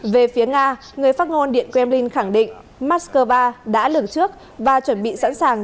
về phía nga người phát ngôn điện kremlin khẳng định moscow đã lực trước và chuẩn bị sẵn sàng